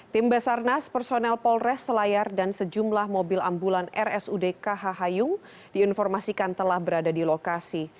tim basarnas personel polres selayar dan sejumlah mobil ambulan rsud kh hayung diinformasikan telah berada di lokasi